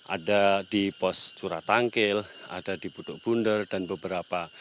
ada di pos curatangkil ada di budokbunder dan beberapa